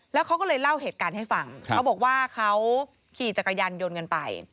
แล้วเขาก็เลยเล่าเหตุการณ์ให้ฟังเขาบอกว่าเขาขี่จักรยานยนต์กันไป